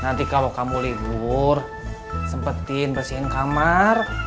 nanti kalau kamu libur sempetin bersihin kamar